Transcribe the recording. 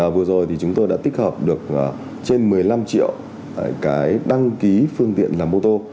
vừa rồi thì chúng tôi đã tích hợp được trên một mươi năm triệu cái đăng ký phương tiện làm ô tô